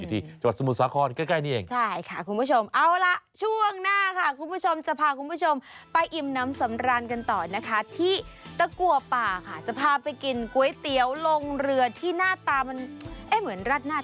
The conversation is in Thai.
ที่ตะกัวป่าจะพาไปกินกล้วยเตี๋ยวลงเรือที่หน้าตามันเหมือนราดหน้า